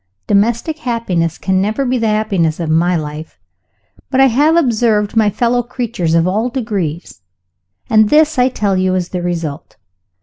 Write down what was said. Domestic happiness can never be the happiness of my life. But I have observed my fellow creatures of all degrees and this, I tell you, is the result.